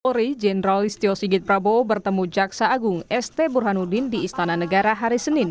polri jenderal istio sigit prabowo bertemu jaksa agung st burhanuddin di istana negara hari senin